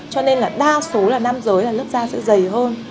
cho nên đa số nam giới là lớp da sẽ dày hơn